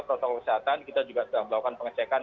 protokol kesehatan kita juga sedang melakukan pencegahan